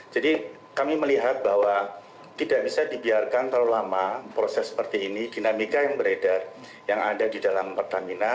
jadi kami melihat bahwa tidak bisa dibiarkan terlalu lama proses seperti ini dinamika yang beredar yang ada di dalam pertamina